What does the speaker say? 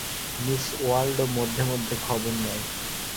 Miss Waldo মধ্যে মধ্যে খবর নেয়।